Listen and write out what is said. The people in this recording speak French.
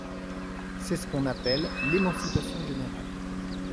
C’est ce qu’on appelle l’émancipation générale.